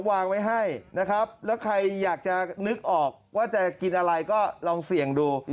วางไว้ให้นะครับแล้วใครอยากจะนึกออกว่าจะกินอะไรก็ลองเสี่ยงดู